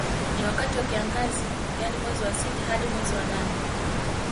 Ni wakati wa kiangazi yani mwezi wa sita hadi mwezi wa nane